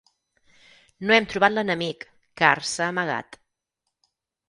No hem trobat l'enemic, car s'ha amagat.